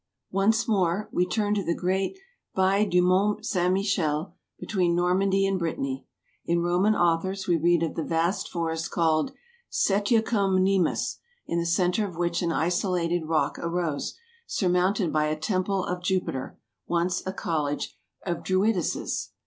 Once more. We turn to the great Baie du Mont Saint Michel, between Normandy and Brittany. In Roman authors we read of the vast forest called "Setiacum Nemus," in the centre of which an isolated rock arose, surmounted by a temple of Jupiter, once a college of Druidesses.